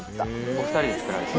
お二人で作られた。